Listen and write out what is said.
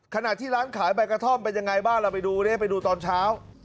ขณะที่ร้านขายใบกระท่อมเป็นยังไงบ้างเราไปดูดิไปดูตอนเช้า